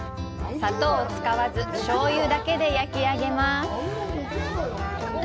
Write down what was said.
砂糖を使わず、醤油だけで焼き上げます。